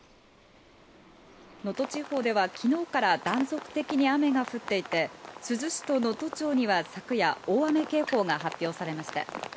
能登地方では昨日から断続的に雨が降っていて、珠洲市と能登町には昨夜、大雨警報が発表されました。